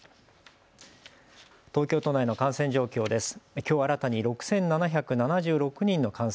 東京都内の感染状況です。